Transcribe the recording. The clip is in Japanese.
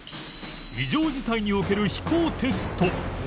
異常事態における飛行テスト